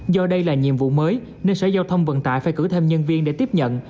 do đây là nhiệm vụ mới nên sở giao thông vận tải phải cử thêm nhân viên để tiếp nhận